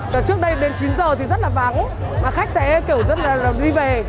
trước đây đến chín h thì rất là vắng mà khách sẽ kiểu rất là đi về